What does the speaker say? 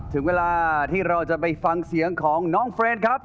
ถึงเวลาที่เราจะไปฟังเสียงของน้องเฟรนครับ